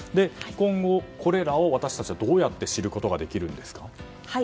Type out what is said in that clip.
今後これらをどうやって知ることができるんですか。